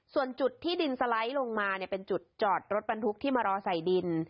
ส่วนจุดที่ดินสไลด์ลงมาเป็นจุดจอดรถบรรทุกที่มารอใส่ดิน